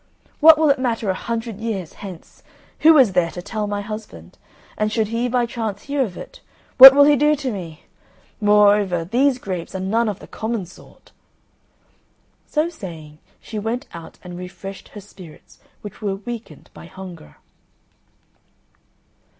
What will it matter a hundred years hence? Who is there to tell my husband? And should he by chance hear of it, what will he do to me? Moreover, these grapes are none of the common sort." So saying, she went out and refreshed her spirits, which were weakened by hunger.